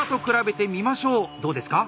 どうですか？